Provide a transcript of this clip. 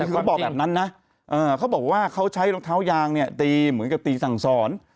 คือเขาบอกแบบนั้นนะเขาบอกว่าเขาใช้รองเท้ายางเนี่ยตีเหมือนกับตีสั่งสอน